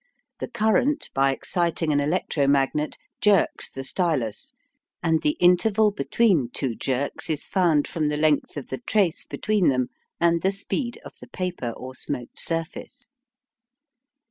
The current, by exciting an electromagnet, jerks the stylus, and the interval between two jerks is found from the length of the trace between them and the speed of the paper or smoked surface.